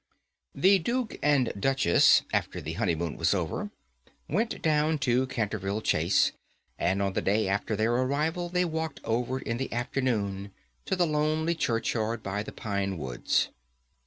The Duke and Duchess, after the honeymoon was over, went down to Canterville Chase, and on the day after their arrival they walked over in the afternoon to the lonely churchyard by the pine woods.